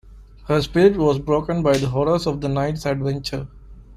Her spirit was broken by the horrors of the night's adventure.